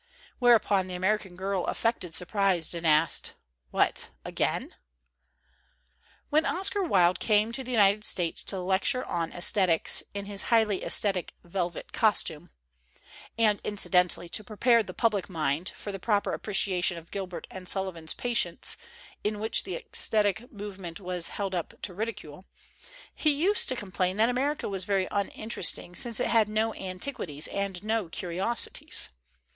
Whereupon the American Girl affected surprise and asked, "What again?" When Oscar Wilde came to the United States to lecture on esthetics in his highly esthetic velvet costume, and incidentally to prepare the public mind for the proper appreciation of Gilbert and Sullivan's 'Patience/ in which the esthetic movement was held up to ridicule, he used to complain that America was very un interesting since it had "no antiquities and no curiosities."